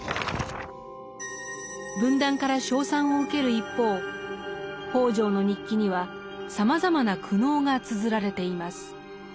文壇から称賛を受ける一方北條の日記にはさまざまな苦悩がつづられています。